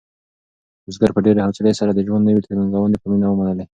بزګر په ډېرې حوصلې سره د ژوند نوې ننګونې په مینه ومنلې.